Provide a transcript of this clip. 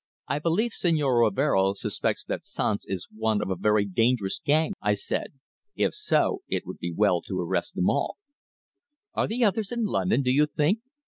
"I believe Señor Rivero suspects that Sanz is one of a very dangerous gang," I said. "If so, it would be well to arrest them all." "Are the others in London, do you think?"